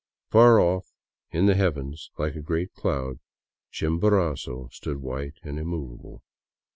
Far off in the heavens like a great cloud, Chimborazo stood white and immovable.